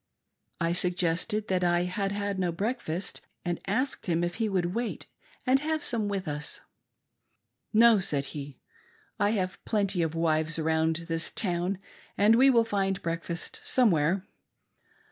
I suggested that I had had no breakfast, and asked him if he would wait and have some with us. " No," said he, " I have plenty of wives around this town, and we will find breakfast somewhere."